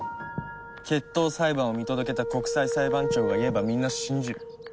決闘裁判を見届けた国際裁判長が言えばみんな信じる。